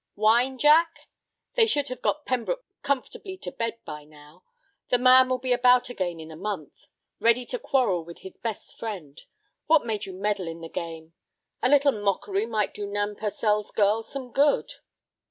"Wine, Jack? They should have got Pembroke comfortably to bed by now. The man will be about again in a month—ready to quarrel with his best friend. What made you meddle in the game? A little mockery might do Nan Purcell's girl some good."